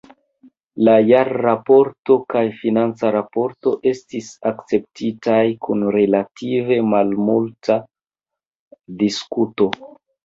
La jarraporto kaj financa raporto estis akceptitaj kun relative malmulta diskuto.